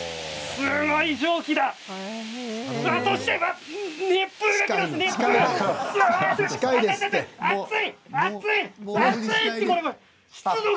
すごい蒸気が。